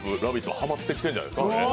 ハマってきてるんじゃないですか？